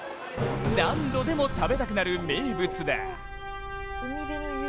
何度でも食べたくなる名物だ。